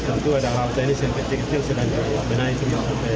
dan itu ada hal hal ini yang sedang dikenal